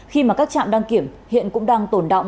khi mà các trạm đăng kiểm hiện cũng đang tồn động